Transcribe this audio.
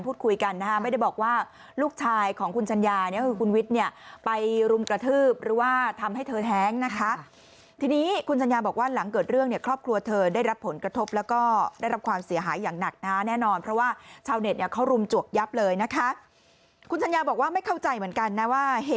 พูดคุยกันนะฮะไม่ได้บอกว่าลูกชายของคุณชัญญาเนี่ยคือคุณวิทย์เนี่ยไปรุมกระทืบหรือว่าทำให้เธอแท้งนะคะทีนี้คุณชัญญาบอกว่าหลังเกิดเรื่องเนี่ยครอบครัวเธอได้รับผลกระทบแล้วก็ได้รับความเสียหายอย่างหนักนะฮะแน่นอนเพราะว่าชาวเน็ตเนี่ยเขารุมจวกยับเลยนะคะคุณชัญญาบอกว่าไม่เข้าใจเหมือนกันนะว่าเหตุ